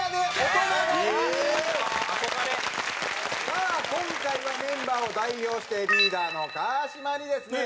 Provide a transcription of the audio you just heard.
さあ今回はメンバーを代表してリーダーの川島にですね